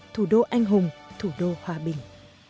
thủ đô anh hùng thủ đô hòa bình